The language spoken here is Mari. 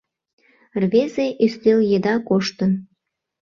Рвезе ӱстел еда коштын